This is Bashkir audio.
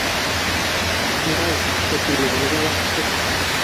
Ярай, Сәкинә, әлегә ваҡыт юҡ.